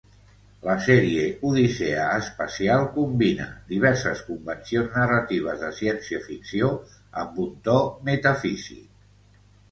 La sèrie "Odissea espacial" combina diverses convencions narratives de ciència-ficció amb un to metafísic.